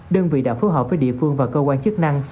đơn vị đã phối hợp với địa phương và cơ quan chức năng